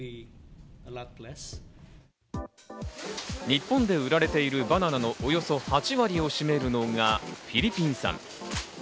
日本で売られているバナナのおよそ８割を占めるのがフィリピン産。